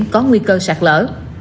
có nguy cơ sạt lỡ